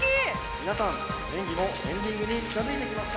皆さん演技もエンディングに近づいてきました。